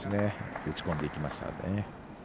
打ち込んでいきましたね。